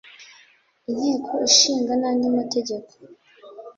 Inteko Ishinga nandi mategeko